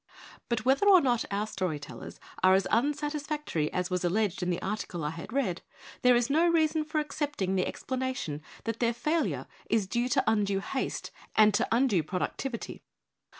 II BUT whether or not our story tellers are as unsatisfactory as was alleged in the article I had read, there is no reason for accepting the ex 208 OX WORKING TOO MUCH AND WORKING TOO FAST planation that their failure is due to undue haste and to undue productivity.